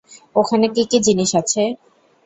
ওখানে কী কী জিনিস আছে?